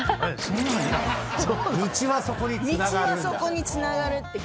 道はそこにつながるんだ。